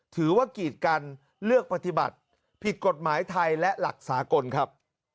กีดกันเลือกปฏิบัติผิดกฎหมายไทยและหลักสากลครับ